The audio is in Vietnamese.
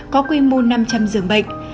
có quy mô năm trăm linh giường bệnh